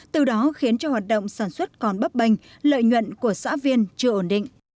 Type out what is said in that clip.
từ đó khiến cho hoạt động sản xuất còn bấp banh lợi nhuận của xã viên chưa ổn định